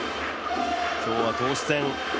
今日は投手戦。